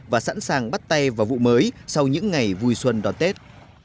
và sẵn sàng bắt tay vào vụ mới sau những ngày vui xuân đón tết